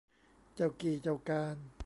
เจ้ากี้เจ้าการ